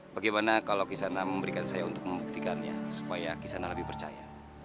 bagaimana kalau kisah nak memberikan saya untuk membuktikannya supaya kisah nak lebih percaya